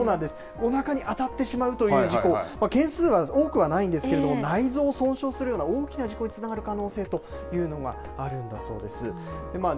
おなかに当たってしまうという事故、件数いくわけではないんですけれども内臓を損傷するような大きい事故につながる可能性があるんだそうです。